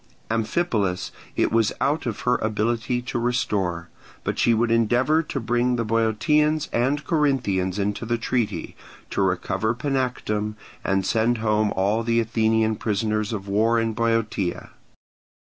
Amphipolis it was out of her ability to restore; but she would endeavour to bring the Boeotians and Corinthians into the treaty, to recover Panactum, and send home all the Athenian prisoners of war in Boeotia.